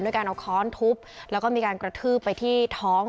การเอาค้อนทุบแล้วก็มีการกระทืบไปที่ท้อง